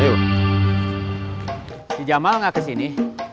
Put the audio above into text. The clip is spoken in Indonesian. si jamal gak kesini si jamal gak kesini